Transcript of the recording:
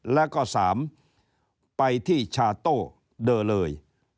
และ๓ไปที่ชาโต้เดอเลย